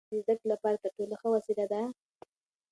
آیا انټرنیټ د زده کړې لپاره تر ټولو ښه وسیله ده؟